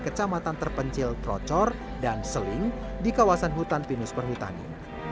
kecamatan terpencil procor dan seling di kawasan hutan pinus perhutani